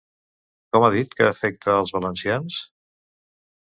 Com ha dit que afecta els valencians?